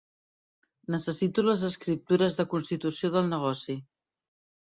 Necessito les escriptures de constitució del negoci.